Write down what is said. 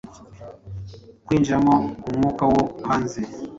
kwinjiramo umwuka wo hanze.